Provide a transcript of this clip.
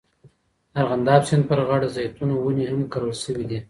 د ارغنداب سیند پر غاړه د زیتونو ونې هم کرل سوي دي.